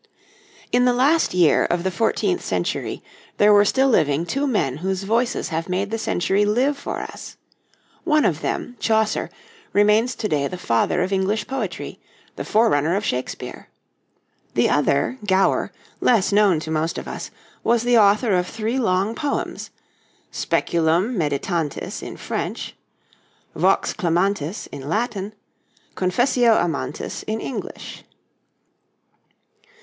] In the last year of the fourteenth century there were still living two men whose voices have made the century live for us. One of them Chaucer remains to day the father of English poetry, the forerunner of Shakespeare; the other Gower less known to most of us, was the author of three long poems 'Speculum Meditantis,' in French; 'Vox Clamantis,' in Latin; 'Confessio Amantis,' in English.